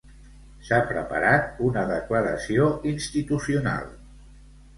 S'ha preparat una declaració institucional.